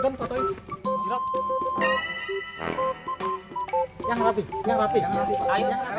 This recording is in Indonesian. yang rapi yang rapi